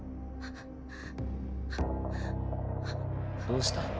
どうした？